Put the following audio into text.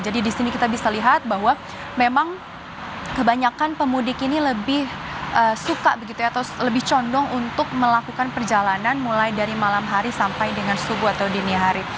jadi disini kita bisa lihat bahwa memang kebanyakan pemudik ini lebih suka begitu ya atau lebih condong untuk melakukan perjalanan mulai dari malam hari sampai dengan subuh atau dini hari